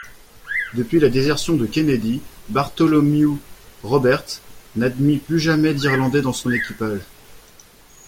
Depuis la désertion de Kennedy, Bartholomew Roberts n'admit plus jamais d'irlandais dans son équipage.